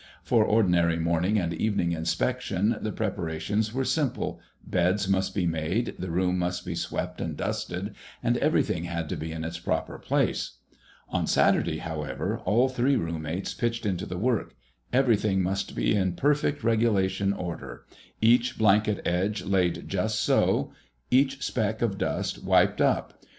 For ordinary morning and evening inspection the preparations were simple. Beds must be made, the room must be swept and dusted, and everything had to be in its proper place. On Saturday, however, all three roommates pitched into the work. Everything must be in perfect, regulation order—each blanket edge laid just so, each speck of dust wiped up.